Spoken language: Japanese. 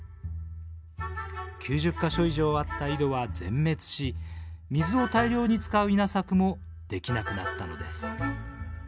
９０か所以上あった井戸は全滅し水を大量に使う稲作もできなくなったのです。